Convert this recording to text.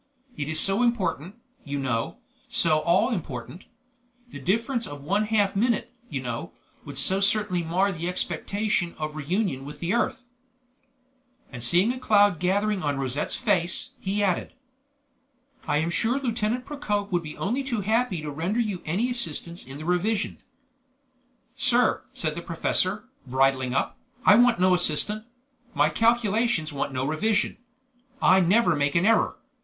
It is so important, you know, so all important; the difference of one half minute, you know, would so certainly mar the expectation of reunion with the earth " And seeing a cloud gathering on Rosette's face, he added: "I am sure Lieutenant Procope would be only too happy to render you any assistance in the revision." "Sir," said the professor, bridling up, "I want no assistant; my calculations want no revision. I never make an error.